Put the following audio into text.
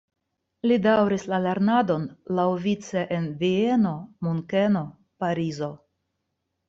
Li daŭris la lernadon laŭvice en Vieno, Munkeno, Parizo.